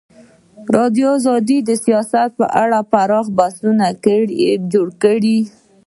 ازادي راډیو د سیاست په اړه پراخ بحثونه جوړ کړي.